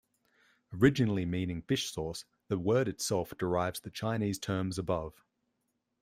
Originally meaning "fish sauce", the word itself derives the Chinese terms above.